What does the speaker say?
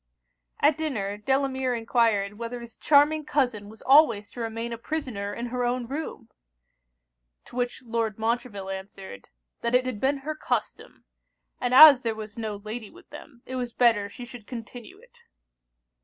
At dinner, Delamere enquired 'whether his charming cousin was always to remain a prisoner in her own room?' To which Lord Montreville answered, 'that it had been her custom; and as there was no lady with them, it was better she should continue it.'